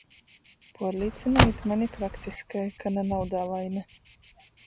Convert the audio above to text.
Puorlīcynojit mani praktiskai, ka na naudā laime!...